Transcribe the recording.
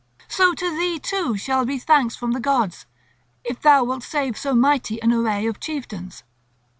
So to thee too shall be thanks from the gods, if thou wilt save so mighty an array of chieftains.